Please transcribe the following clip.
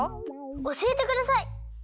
おしえてください。